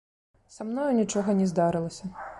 Са мною нічога не здарылася.